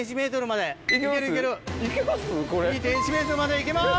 ２．１ｍまで行けます。